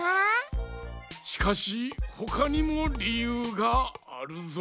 しかしほかにもりゆうがあるぞ。